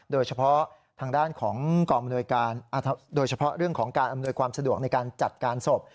โดยเฉพาะทางด้านของการอำนวยความสะดวกในการจัดการศพ